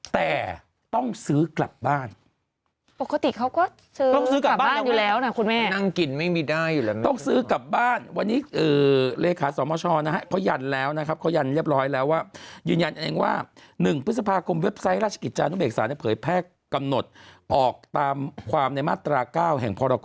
ดึงไหมดึงไหมดึงไหมนะครับ